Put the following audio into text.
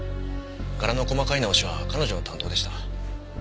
柄の細かい直しは彼女の担当でした。